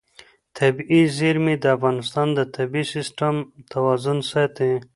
طبیعي زیرمې د افغانستان د طبعي سیسټم توازن ساتي.